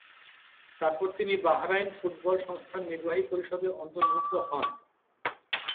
তারপর তিনি Bahrain football সংস্থার নির্বাহী পরিষদে অন্তর্ভুক্ত হন।